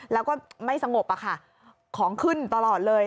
แล้วก็ไม่สงบอะค่ะของขึ้นตลอดเลย